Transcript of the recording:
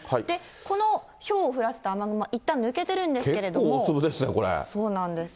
このひょうを降らせた雨雲は、いったん抜けてるんですけれども、そうなんです。